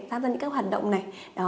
tám dân những các hoạt động này